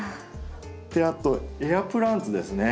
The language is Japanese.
あとエアプランツですね。